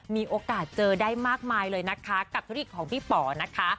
มีโอกาสเจอได้มากมายเลยนะคะกับธุรกิจของพี่ป๋อนะคะ